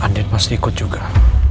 andien masih ikut juga